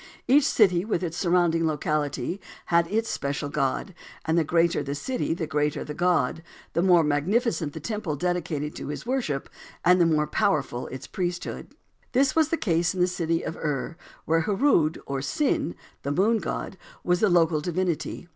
Each city, with its surrounding locality, had its special god, and the greater the city the greater the god, the more magnificent the temple dedicated to his worship, and the more powerful its priesthood. This was the case in the city of Ur, where Hurud, or Sin, the Moon God, was the local divinity.